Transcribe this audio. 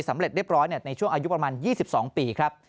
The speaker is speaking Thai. เรียบร้อยในช่วงอายุประมาณ๒๒ปีครับ